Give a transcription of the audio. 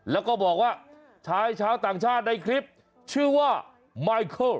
แล้วก็บอกว่าชายชาวต่างชาติในคลิปชื่อว่าไมเคิล